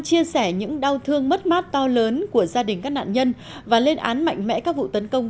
chia sẻ những đau thương mất mát to lớn của gia đình các nạn nhân và lên án mạnh mẽ các vụ tấn công